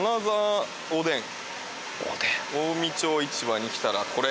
「近江町市場に来たらコレ！！